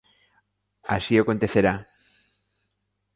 Así acontecerá.